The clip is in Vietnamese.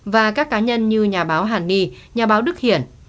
và các cá nhân như nhà báo hàn ni nhà báo đức hiển